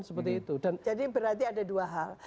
jadi berarti ada dua hal